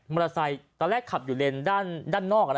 มอเตอร์ไซค์ตอนแรกขับอยู่เลนด้านนอกนะครับ